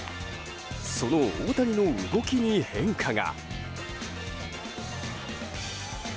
その大谷の動きに変化が。